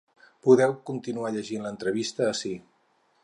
Podeu continuar llegint l’entrevista ací.